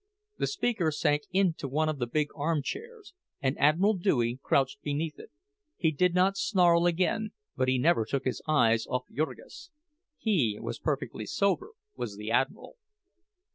The speaker sank into one of the big armchairs, and Admiral Dewey crouched beneath it; he did not snarl again, but he never took his eyes off Jurgis. He was perfectly sober, was the Admiral.